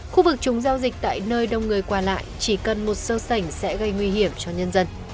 khu vực chúng giao dịch tại nơi đông người qua lại chỉ cần một sơ sảnh sẽ gây nguy hiểm cho nhân dân